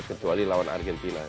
kecuali lawan argentina